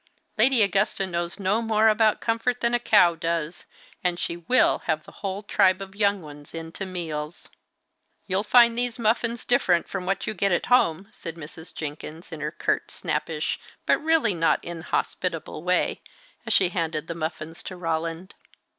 Lady Augusta knows no more about comfort than a cow does, and she will have the whole tribe of young ones in to meals." "You'll find these muffins different from what you get at home," said Mrs. Jenkins, in her curt, snappish, but really not inhospitable way, as she handed the muffins to Roland.